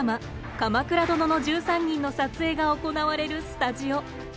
「鎌倉殿の１３人」の撮影が行われるスタジオ。